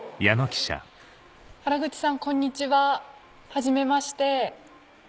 原口さんこんにちははじめまして。